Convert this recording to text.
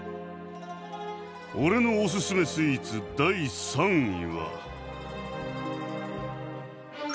俺のおすすめスイーツ第３位は。